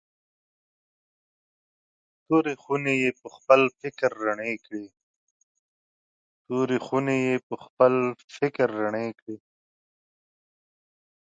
تورې خونې یې پخپل فکر رڼې کړې.